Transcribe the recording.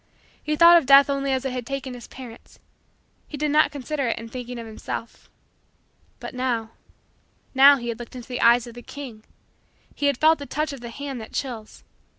He thought of Death only as it had taken his parents; he did not consider it in thinking of himself. But now now he had looked into the eyes of the King. He had felt the touch of the hand that chills.